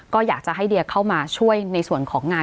ก็อยากจะให้เดียเข้ามาช่วยในส่วนของงาน